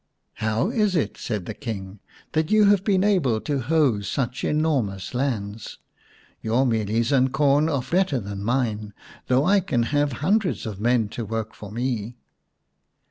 " How is it," said the King, " that you have been able to hoe such enormous lands ? Your mealies and corn are better than mine, though I can have hundreds of men to work for me."